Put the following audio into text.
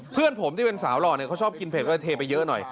เพื่อนผมที่เป็นสาวหล่อเนี่ยเขาชอบกินเผ็ดก็เลยเทไปเยอะหน่อย